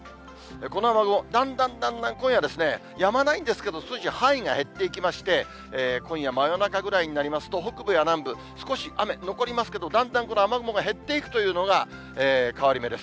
この雨雲、だんだんだんだん今夜、やまないんですけど、少し範囲が減っていきまして、今夜、真夜中ぐらいになりますと、北部や南部、少し雨、残りますけど、だんだんこの雨雲が減っていくというのが変わり目です。